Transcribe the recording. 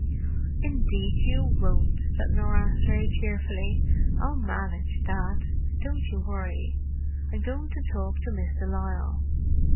"Indeed you won't," said Norah, very cheerfully. "I'll manage, Dad. Don't you worry. I'm going to talk to Miss de Lisle."